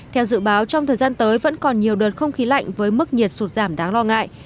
theo dự báo trong thời gian tới vẫn còn nhiều đợt không khí lạnh với mức nhiệt sụt giảm đáng lo ngại